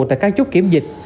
tại các chốt kiểm dịch